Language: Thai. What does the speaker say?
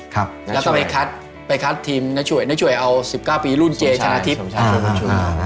แล้วก็ไปคัดทีมน้าช่วยน้าช่วยเอา๑๙ปีรุ่นเจชาธิปอเจมส์สำชัย